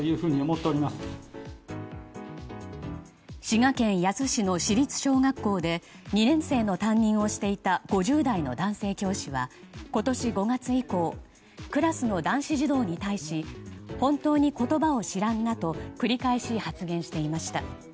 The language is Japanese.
滋賀県野洲市の市立小学校で２年生の担任をしていた５０代の男性教師は今年５月以降クラスの男子児童に対し本当に言葉を知らんなと繰り返し発言していました。